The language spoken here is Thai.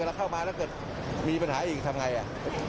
แล้วเข้ามาแล้วเกิดมีปัญหาอีกทำไงอ่ะ